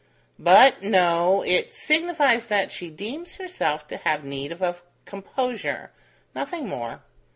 But no: it signifies that she deems herself to have need of composure nothing more.